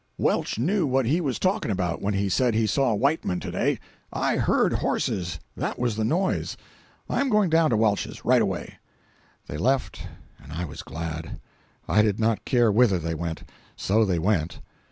Welch knew what he was talking about when he said he saw Whiteman to day. I heard horses—that was the noise. I am going down to Welch's, right away." They left and I was glad. I did not care whither they went, so they went.